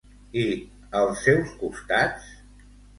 I als seus costats?